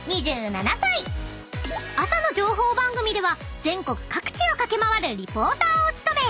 ［朝の情報番組では全国各地を駆け回るリポーターを務め］